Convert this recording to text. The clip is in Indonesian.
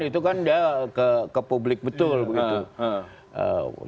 itu kan dia ke publik betul begitu